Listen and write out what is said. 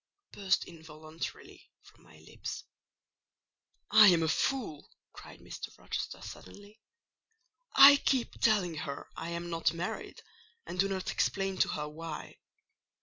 burst involuntarily from my lips. "I am a fool!" cried Mr. Rochester suddenly. "I keep telling her I am not married, and do not explain to her why.